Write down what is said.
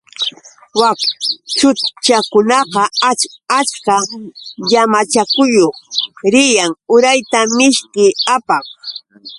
Wak chutchakunaqa ach achka llamachayuq riyan urayta mishki apaq.